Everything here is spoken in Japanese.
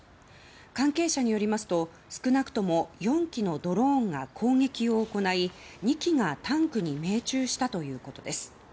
関係者によりますと少なくとも４機のドローンが攻撃を行い２機がタンクに命中したということです。